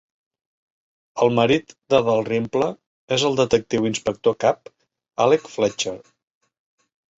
El marit de Dalrymple és el detectiu inspector cap Alec Fletcher.